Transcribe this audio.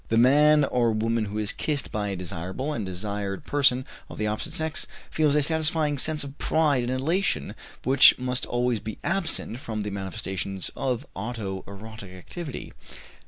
The man or woman who is kissed by a desirable and desired person of the opposite sex feels a satisfying sense of pride and elation, which must always be absent from the manifestations of auto erotic activity.